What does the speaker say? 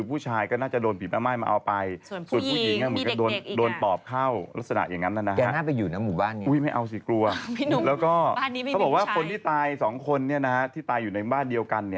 ผู้ชายก็น่าจะโดนผีแม่ไม้มาเอาไป